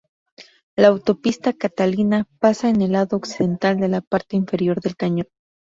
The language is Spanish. La autopista Catalina pasa en el lado occidental de la parte inferior del cañón.